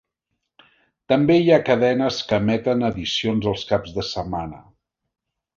També hi ha cadenes que emeten edicions als caps de setmana.